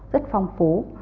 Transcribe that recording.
rất phong phố